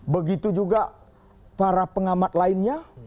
begitu juga para pengamat lainnya